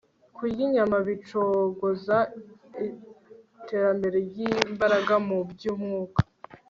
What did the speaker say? kurya inyama bicogoza iterambere ry'imbaraga mu by'umwuka